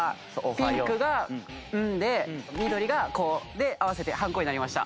ピンクが「ん」で緑が「こ」で合わせて「はんこ」になりました。